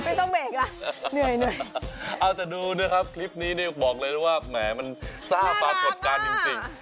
เอาแต่ดูเนี่ยครับคลิปนี้บอกเลยว่าแหมมันซากปรากฏกันจริง